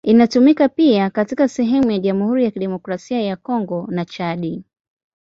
Inatumika pia katika sehemu za Jamhuri ya Kidemokrasia ya Kongo na Chad.